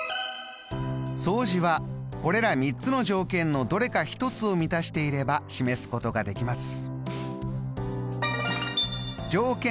相似はこれら３つの条件のどれか１つを満たしていれば示すことができます。